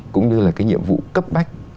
cũng như là cái nhiệm vụ cấp bách